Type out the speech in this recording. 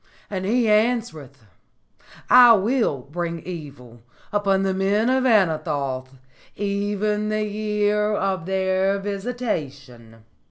And He answereth, 'I will bring evil upon the men of Anathoth, even the year of their visitation.'"